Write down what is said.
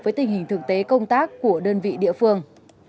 với tình hình thực tế công tác của đơn vị địa phương